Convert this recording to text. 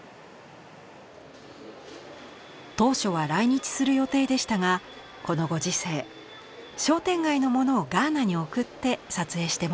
当初は来日する予定でしたがこのご時世商店街の物をガーナに送って撮影してもらいました。